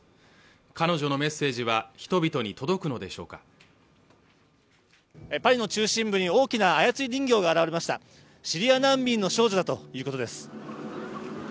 彼女のメッセージは人々に届くのでしょうかパリの中心部に大きな操り人形が現れましたシリア難民の少女だということです